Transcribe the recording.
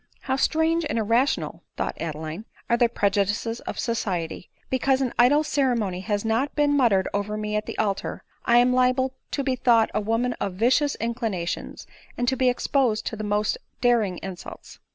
" How strange and irrational," thought Adeline, " are the prejudices of society ! Because an idle ceremony has not been muttered over me at the altar, I am liable ADELINE MOWBRAY. 139 to be thought a woman of vicious inclinations, and to be exposed to the most daring insults."